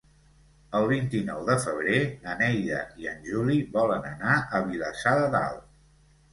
El vint-i-nou de febrer na Neida i en Juli volen anar a Vilassar de Dalt.